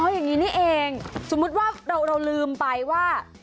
อย่างนี้นี่เองสมมุติว่าเราลืมไปว่า